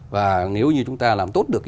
và nếu như chúng ta làm tốt được